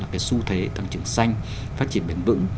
cái xu thế tăng trưởng xanh phát triển bền vững